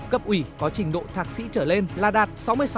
cấp ủy có trình độ thạc sĩ trở lên là đạt sáu mươi sáu sáu mươi bảy